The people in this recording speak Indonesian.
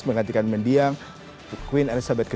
menggantikan mendiang queen elizabeth i